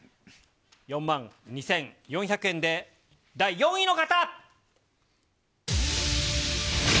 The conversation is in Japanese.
４万２４００円で、第４位の方。